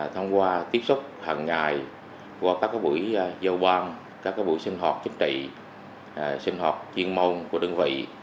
thông qua tiếp xúc hàng ngày qua các buổi giao quan các buổi sinh hoạt chính trị sinh hoạt chuyên môn của đơn vị